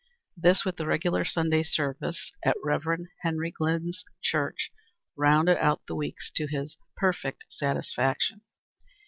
This, with the regular Sunday service at Rev. Henry Glynn's church, rounded out the weeks to his perfect satisfaction.